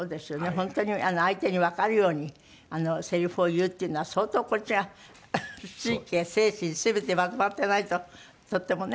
本当に相手にわかるようにセリフを言うっていうのは相当こっちが神経精神全てまとまってないととってもね。